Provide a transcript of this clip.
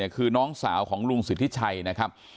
คือน้องสาวของลุงสิทธิชัยนะครับ